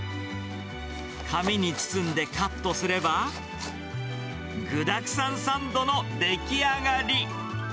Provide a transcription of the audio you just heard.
紙に包んでカットすれば、具だくさんサンドの出来上がり。